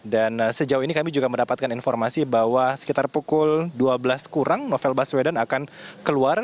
dan sejauh ini kami juga mendapatkan informasi bahwa sekitar pukul dua belas kurang novel baswedan akan keluar